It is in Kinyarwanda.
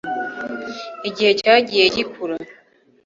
Igihe cyagiye gikura